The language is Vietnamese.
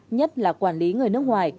nhất là quản lý người nước ngoài